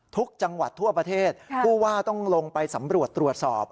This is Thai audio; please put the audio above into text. ทุกจังหวัดทั่วประเทศผู้ว่าต้องลงไปสำรวจตรวจสอบ